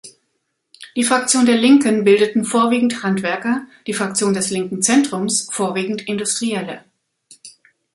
Die Fraktion der Linken bildeten vorwiegend Handwerker, die Fraktion des Linken Zentrums vorwiegend Industrielle.